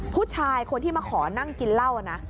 ผู้ชายคนที่มาขอนั่งกินเหล้านะ